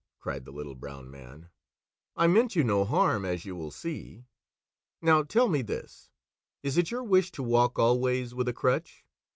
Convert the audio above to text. cried the Little Brown Man, "I meant you no harm, as you will see. Now tell me this: Is it your wish to walk always with a crutch?